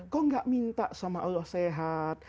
kok gak minta sama allah sehat